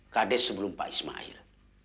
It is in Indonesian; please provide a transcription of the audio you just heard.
kades sebelum pak ismail